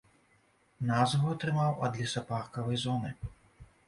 Назву атрымаў ад лесапаркавай зоны.